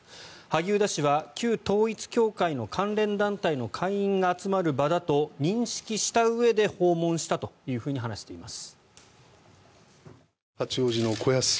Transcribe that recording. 萩生田氏は旧統一教会の関連団体の会員が集まる場だと認識したうえで訪問したと話しています。